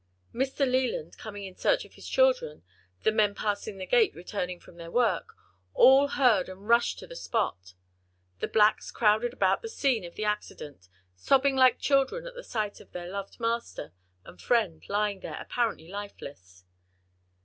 Mr. Leland coming in search of his children, the men passing the gate returning from their work, all heard and rushed to the spot. The blacks crowded about the scene of the accident, sobbing like children at the sight of their loved master and friend lying there apparently lifeless.